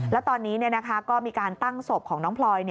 แล้วตอนนี้ก็มีการตั้งศพของน้องพลอย